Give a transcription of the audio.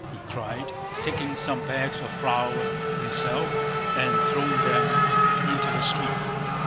he cried, taking some bags of flour himself and throwing them into the street.